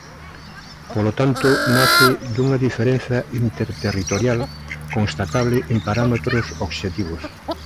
Polo tanto, nace dunha diferenza interterritorial constatable en parámetros obxectivos.